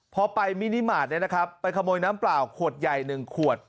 พอไปมินิมาร์ทเนี่ยนะครับไปขโมยน้ำเปล่าขวดใหญ่หนึ่งขวด